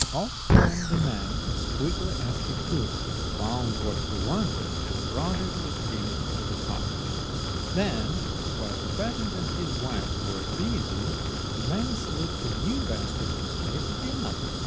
Off went the man as quickly as he could, found what he wanted, and brought it with him to the cottage. Then while the peasant and his wife were busy, the men slipped the new basket in the place of the other.